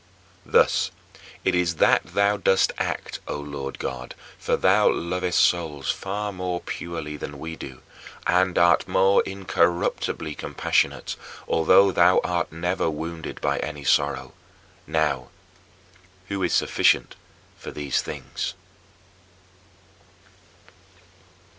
Thus it is that thou dost act, O Lord God, for thou lovest souls far more purely than we do and art more incorruptibly compassionate, although thou art never wounded by any sorrow. Now "who is sufficient for these things?"